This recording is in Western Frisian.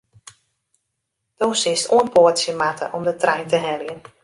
Do silst oanpoatsje moatte om de trein te heljen.